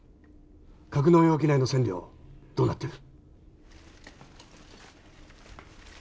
格納容器内の線量どうなってる？